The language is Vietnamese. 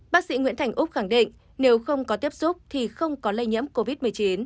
bác sĩ nguyễn thành úc khẳng định nếu không có tiếp xúc thì không có lây nhiễm covid một mươi chín